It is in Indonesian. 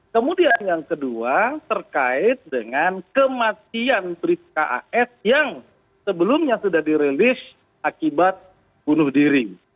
kemudian yang kedua terkait dengan kematian bribka as yang sebelumnya sudah dirilis akibat bunuh diri